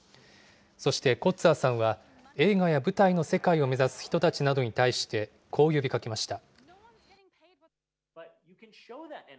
そして、コッツァーさんは映画や舞台の世界を目指す人たちなどに対して、こう呼びかけました。